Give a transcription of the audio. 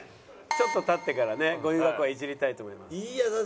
ちょっと経ってからねゴミ箱はいじりたいと思います。